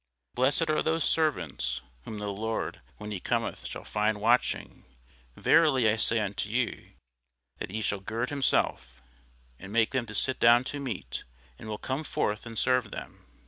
Blessed are those servants, whom the lord when he cometh shall find watching: verily I say unto you, that he shall gird himself, and make them to sit down to meat, and will come forth and serve them.